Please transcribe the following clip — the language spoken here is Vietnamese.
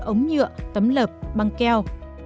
ống nhựa tấm lập băng keo